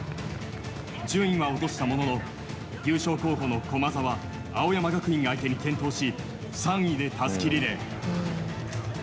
順位は落としたものの優勝候補の駒澤青山学院相手に健闘し３位でたすきリレー。